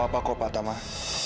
tidak ada kesehalan pak